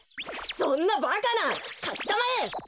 そんなばかな！かしたまえ！